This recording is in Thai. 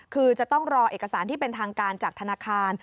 คือจะต้องรอเอกสารที่เป็นทางการจากธนาคาร